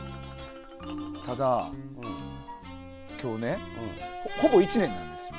ただ、今日ねほぼ１年なんですよ。